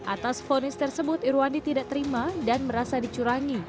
atas fonis tersebut irwandi tidak terima dan merasa dicurangi